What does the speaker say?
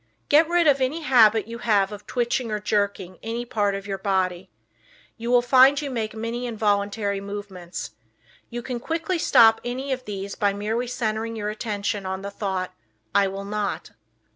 Get rid of any habit you have of twitching or jerking any part of your body. You will find you make many involuntary movements. You can quickly stop any of these by merely centering your attention on the thought, "I will not."